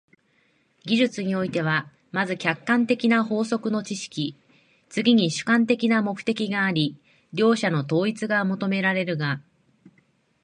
技術においては、まず客観的な法則の知識、次に主観的な目的があり、両者の統一が求められるが、